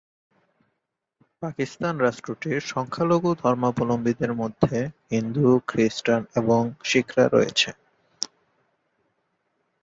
পাকিস্তান রাষ্ট্রটির সংখ্যালঘু ধর্মাবলম্বীদের মধ্যে হিন্দু, খ্রিষ্টান এবং শিখরা রয়েছে।